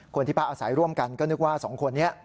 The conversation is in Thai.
คนที่พักอาศัยร่วมกันก็นึกว่า๒คนนี้